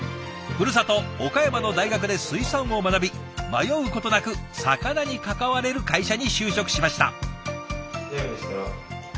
ふるさと岡山の大学で水産を学び迷うことなく魚に関われる会社に就職しました。